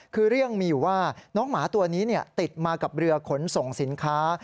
คือเรื่องมีอยู่ว่าน้องหมาตัวนี้ติดมากับเรือขนส่งสินค้า